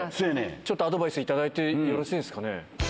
ちょっとアドバイス頂いてよろしいですかね。